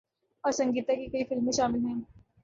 اور سنگیتا کی کئی فلمیں شامل ہیں۔